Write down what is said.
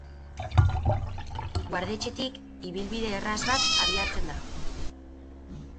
Guardetxetik, ibilbide erraz bat abiatzen da.